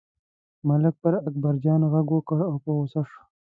ملک پر اکبرجان غږ وکړ او په غوسه شو.